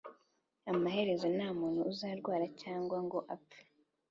Amaherezo nta muntu uzarwara cyangwa ngo apfe